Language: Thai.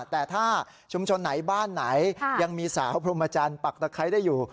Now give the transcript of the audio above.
แต่ถ้าชุมชนไหนบ้านไหนยังมีสาวพรมจันทร์ปักตะไคร้ได้อยู่